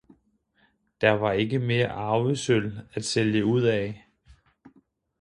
Der var ikke mere arvesølv at sælge ud af.